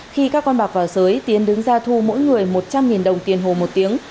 khi các con bạc vào giới tiến đứng ra thu mỗi người một trăm linh đồng tiền hồ một tiếng